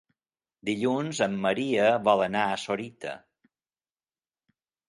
Dilluns en Maria vol anar a Sorita.